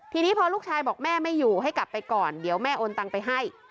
ทีนี้พอลูกชายบอกแม่ไม่อยู่ให้กลับไปก่อนเดี๋ยวแม่โอนตังไปให้